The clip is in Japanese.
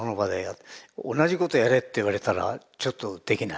同じことをやれって言われたらちょっとできない。